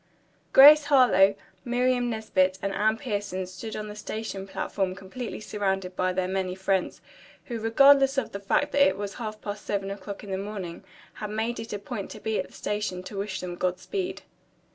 Grace Harlowe, Miriam Nesbit and Anne Pierson stood on the station platform completely surrounded by their many friends, who, regardless of the fact that it was half past seven o'clock in the morning, had made it a point to be at the station to wish them godspeed.